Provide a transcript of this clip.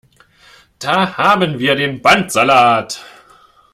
Da haben wir den Bandsalat!